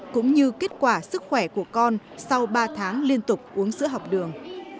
cũng như kết quả sức khỏe của con sau ba tháng liên tục uống sữa học đường